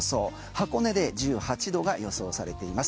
箱根で１８度が予想されています。